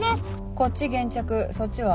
こっち現着そっちは？